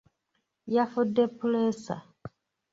Yafudde puleesa.